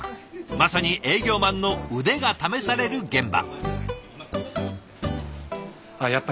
まさに営業マンの腕が試される現場。